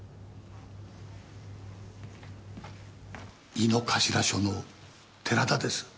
井の頭署の寺田です。